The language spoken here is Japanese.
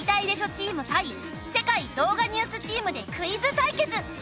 チーム対世界動画ニュースチームでクイズ対決。